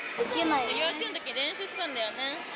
幼稚園の時練習してたんだよね。